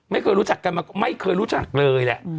ไม่เคยรู้จักกันมาไม่เคยรู้จักเลยแหละ